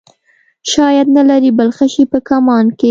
شاید نه لرې بل غشی په کمان کې.